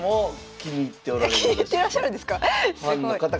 気に入ってらっしゃるんですか？